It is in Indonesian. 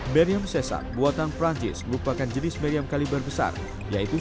meriam cesar buatan perancis merupakan jenis meriam kaliber besar yaitu satu ratus lima puluh lima mm